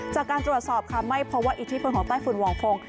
จากการตรวจสอบค่ะไม่พบว่าอิทธิพลของใต้ฝุ่นห่องฟง